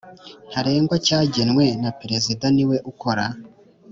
ntarengwa cyagenwe Perezida niwe ukora